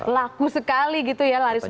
laku sekali gitu ya laris